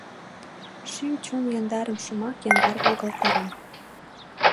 Шӱм-чон яндарым Шомак яндар волгалтара.